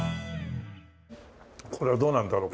これはどうなんだろう。